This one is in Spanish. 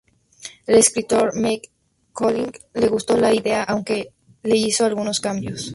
Al escritor Mike Scully le gustó la idea aunque le hizo algunos cambios.